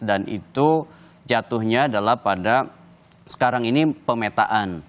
dan itu jatuhnya adalah pada sekarang ini pemetaan